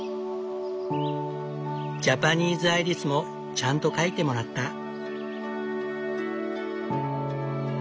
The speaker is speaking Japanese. ジャパニーズアイリスもちゃんと描いてもらった。